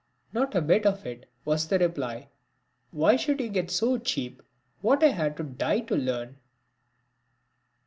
Not a bit of it, was the reply. "Why should you get so cheap what I had to die to learn?"